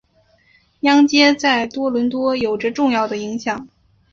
央街在多伦多有着重要的影响。